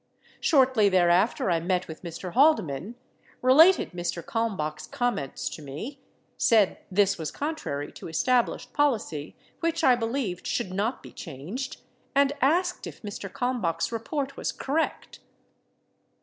Shortly thereafter I met with Mr. Halde man, related Mr. Kalmbach's comments to me, said this was contrary to established policy which I believed should not be changed, and asked if Mr. Kalmbach's report was correct.